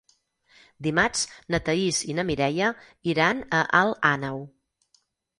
Dimarts na Thaís i na Mireia iran a Alt Àneu.